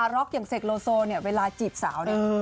ล็อกอย่างเสกโลโซเนี่ยเวลาจีบสาวเนี่ย